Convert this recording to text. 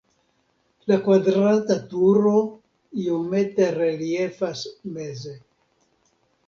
La kvadrata turo iomete reliefas meze.